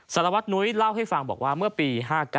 สารวัตนุ้ยเล่าให้ฟังบอกว่าเมื่อปี๕๙